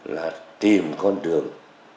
là tìm con đường